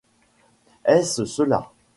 Est-ce cela ?